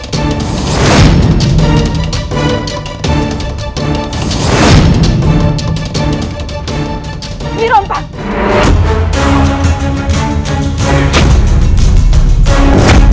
tidak ada yang bisa dihukum